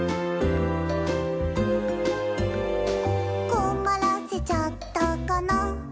「困らせちゃったかな」